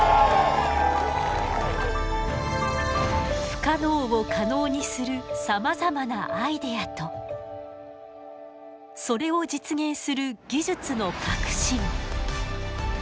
不可能を可能にするさまざまなアイデアとそれを実現する技術の革新。